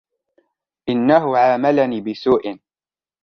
إنهُ عاملني بسوء.